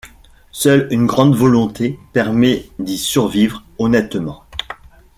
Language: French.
Seule une grande volonté permet d’y survivre honnêtement.